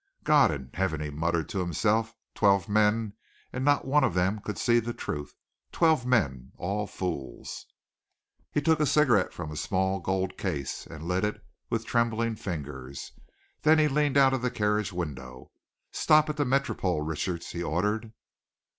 "God in Heaven!" he muttered to himself. "Twelve men, and not one of them could see the truth. Twelve men, all fools!" He took a cigarette from a small gold case, and lit it with trembling fingers. Then he leaned out of the carriage window. "Stop at the Métropole, Richards," he ordered.